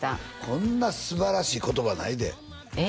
こんなすばらしい言葉ないでえっ？